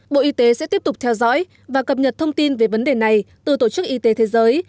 bộ y tế sẽ tiếp tục theo dõi và cập nhật thông tin về vấn đề này từ tổ chức y tế thế giới